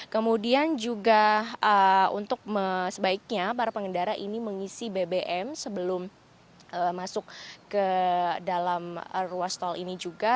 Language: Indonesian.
kemudian juga untuk sebaiknya para pengendara ini mengisi bbm sebelum masuk ke dalam ruas tol ini juga